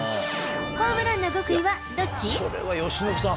ホームランの極意はどっち？